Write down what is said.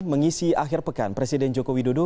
mengisi akhir pekan presiden jokowi dodo